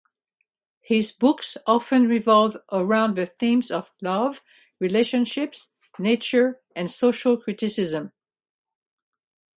His books often revolve around the themes of love, relationships, nature, and social criticism.